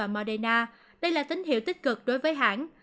mardena đây là tín hiệu tích cực đối với hãng